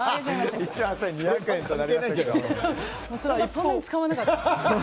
そんなに使わなかった。